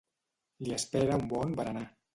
Li espera un bon berenar.